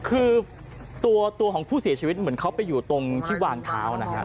คือตัวของผู้เสียชีวิตเหมือนเขาไปอยู่ตรงที่วางเท้านะครับ